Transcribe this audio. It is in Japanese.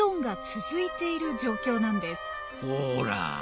ほら。